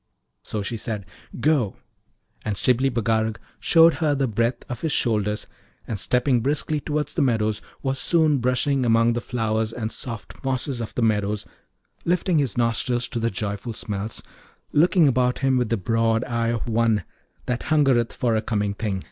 So she said, 'Go!' and Shibli Bagarag showed her the breadth of his shoulders, and stepped briskly toward the meadows, and was soon brushing among the flowers and soft mosses of the meadows, lifting his nostrils to the joyful smells, looking about him with the broad eye of one that hungereth for a coming thing.